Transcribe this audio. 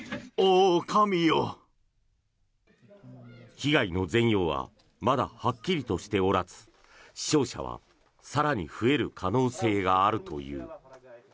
被害の全容はまだはっきりとしておらず死傷者は更に増える可能性があるという。